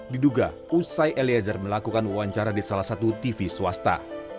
diduga usai eliezer melakukan wawancara di salah satu tv swasta